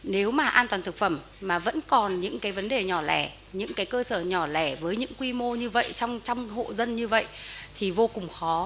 nếu mà an toàn thực phẩm mà vẫn còn những cái vấn đề nhỏ lẻ những cái cơ sở nhỏ lẻ với những quy mô như vậy trong hộ dân như vậy thì vô cùng khó